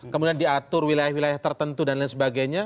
kemudian diatur wilayah wilayah tertentu dan lain sebagainya